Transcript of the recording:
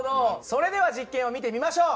それでは実験を見てみましょう。